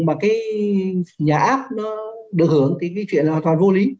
mà cái nhà áp nó được hưởng cái chuyện là hoàn toàn vô lý